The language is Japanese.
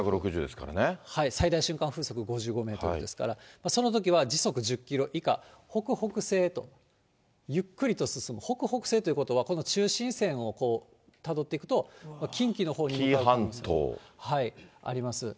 最大瞬間風速５５メートルですから、そのときは時速１０キロ以下、北北西へとゆっくりと進む、北北西ということは、この中心線をたどっていくと、紀伊半島。あります。